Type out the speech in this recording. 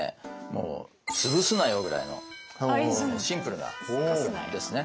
もう「つぶすなよ」ぐらいのシンプルなやつですね。